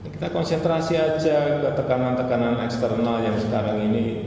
kita konsentrasi aja ke tekanan tekanan eksternal yang sekarang ini